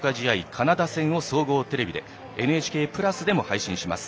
カナダ戦を総合テレビで「ＮＨＫプラス」でも配信します。